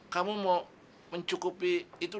kamu mau mencukupi itu